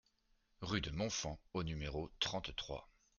Rue de Montfand au numéro trente-trois